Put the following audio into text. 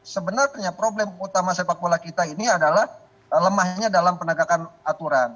sebenarnya problem utama sepak bola kita ini adalah lemahnya dalam penegakan aturan